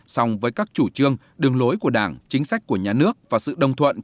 song với các chủ trương đường lối của đảng chính sách của nhà nước và sự đồng thuận